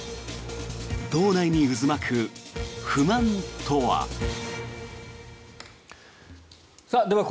党内に渦巻く不満とは。